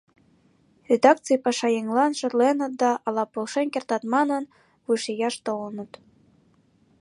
Редакций пашаеҥлан шотленыт да ала полшен кертат манын, вуйшияш толыныт.